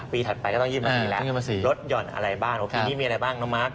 ปีถัดไปก็ต้องยื่นภาษีแล้วรถหย่อนอะไรบ้างโอ้ปีนี้มีอะไรบ้างเนาะมั๊ก